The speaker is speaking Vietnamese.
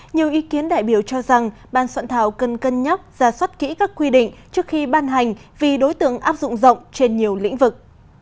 nhiều ý kiến đại biểu cho rằng ban soạn thảo cần cân nhắc ra soát kỹ các quy định trước khi ban hành vì đối tượng áp dụng rộng trên nhiều lĩnh vực